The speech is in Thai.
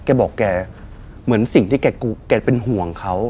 แกบอกแกเหมือนสิ่งที่แกเป็นห่วงเขา